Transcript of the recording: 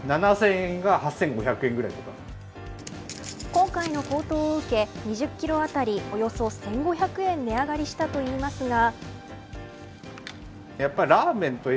今回の高騰を受け２０キロあたりおよそ１５００円値上がりしたといいますが。